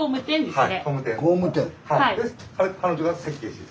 はい。